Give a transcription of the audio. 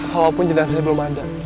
walaupun jenazahnya belum ada